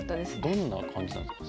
どんな感じなんですか？